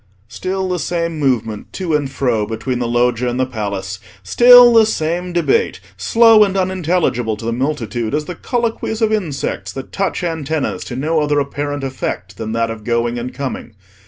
Still the same movement to and fro between the Loggia and the Palace; still the same debate, slow and unintelligible to the multitude as the colloquies of insects that touch antennas to no other apparent effect than that of going and coming.